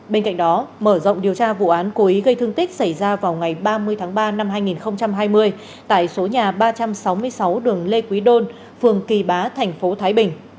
bên cạnh đó mở rộng điều tra vụ án cố ý gây thương tích xảy ra vào ngày ba mươi tháng ba năm hai nghìn hai mươi tại số nhà ba trăm sáu mươi sáu đường lê quý đôn phường kỳ bá thành phố thái bình